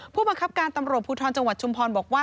ผู้บังคับการตำรวจภูทรจังหวัดชุมพรบอกว่า